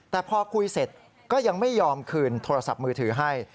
แต่พอคุยเสร็จก็ยังไม่ยอมคืนโทรศัพท์มือถือให้